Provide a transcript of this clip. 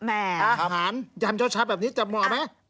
อาหารยำเช้าแบบนี้จะเหมาะไหม